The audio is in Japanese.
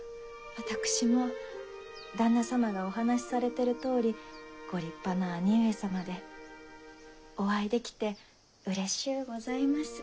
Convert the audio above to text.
私も旦那様がお話しされてるとおりご立派な兄上様でお会いできてうれしゅうございます。